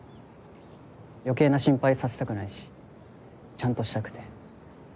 余計な心配させたくないしちゃんとしたくて。